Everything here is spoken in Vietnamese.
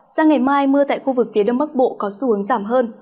sang ngày mai mưa tại khu vực phía đông bắc bộ có xu hướng giảm hơn